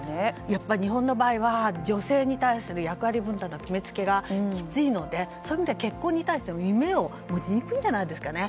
やっぱり日本の場合は女性に対する役割分担の決めつけがひどいのでそういう意味で結婚に対しての夢を諦めてるんじゃないんですかね。